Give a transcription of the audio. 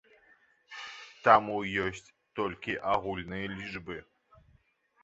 Таму ёсць толькі агульныя лічбы.